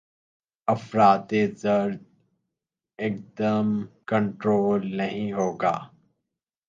افراط زر ایکدم کنٹرول نہیں ہوگا۔